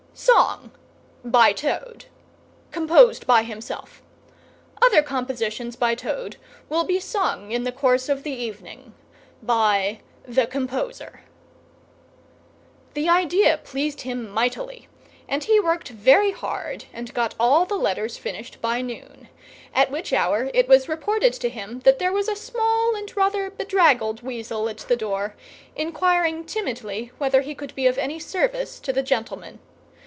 SONG. ... BY TOAD. (Composed by himself.) OTHER COMPOSITIONS. BY TOAD will be sung in the course of the evening by the. .. COMPOSER. The idea pleased him mightily, and he worked very hard and got all the letters finished by noon, at which hour it was reported to him that there was a small and rather bedraggled weasel at the door, inquiring timidly whether he could be of any service to the gentlemen.